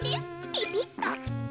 ピピッと。